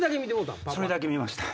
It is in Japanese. それだけ見ました。